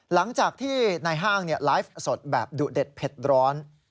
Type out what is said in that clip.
หลังจากที่ในห้างไลฟ์สดแบบดุเด็ดเผ็ดร้อน